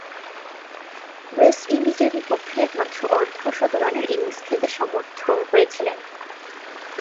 West ইন্ডিজের বিপক্ষে একমাত্র অর্ধ-শতরানের ইনিংস খেলতে সমর্থ হয়েছিলেন।